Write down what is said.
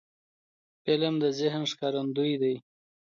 فلم د ذهن ښکارندوی دی